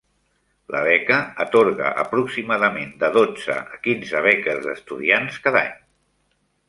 La beca atorga aproximadament de dotze a quinze beques d'estudiants cada any.